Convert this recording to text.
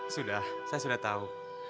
sudah saya sudah tahu